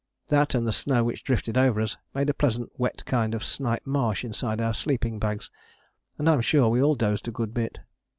That and the snow which drifted over us made a pleasant wet kind of snipe marsh inside our sleeping bags, and I am sure we all dozed a good bit.